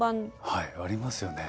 はいありますよね。